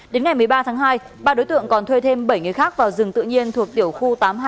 đến ngày một mươi ba tháng hai ba đối tượng còn thuê thêm bảy người khác vào rừng tự nhiên thuộc tiểu khu tám trăm hai mươi hai